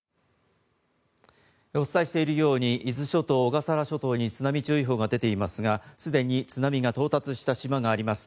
お伝えしているように伊豆諸島小笠原諸島に津波注意報が出ていますが、既に津波が到達した島があります。